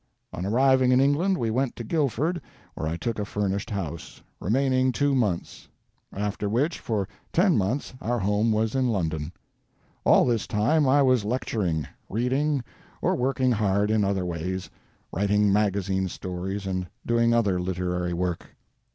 On arriving in England we went to Guilford, where I took a furnished house, remaining two months, after which for ten months our home was in London. All this time I was lecturing, reading, or working hard in other ways, writing magazine stories and doing other literary work.